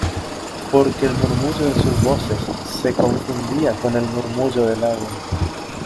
porque el murmullo de sus voces se confundía con el murmullo del agua.